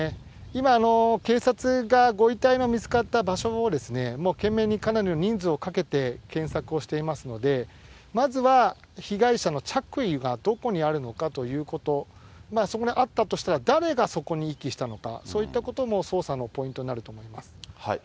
今、警察がご遺体の見つかった場所を、もう懸命にかなりの人数をかけて検索をしていますので、まずは被害者の着衣がどこにあるのかということ、そこにあったとしたら、誰がそこに遺棄したのか、そういったことも捜査のポイントになると思います。